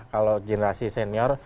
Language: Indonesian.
kalau generasi senior